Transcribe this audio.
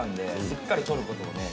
しっかり取ることもね